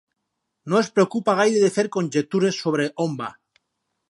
No es preocupa gaire de fer conjectures sobre on va.